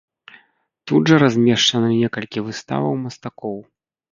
Тут жа размешчаны некалькі выставаў мастакоў.